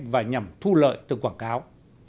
và nhằm thu lợi từ quảng cáo